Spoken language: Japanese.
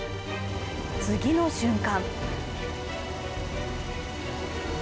次の瞬間